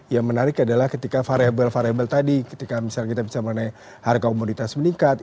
yang menarik adalah ketika variable variable tadi ketika misalnya kita bicara mengenai harga komoditas meningkat